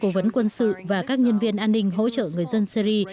các quân quân sự và các nhân viên an ninh hỗ trợ người dân syri